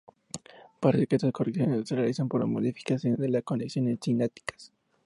Parece que estas correcciones se realizan por modificaciones de las conexiones sinápticas.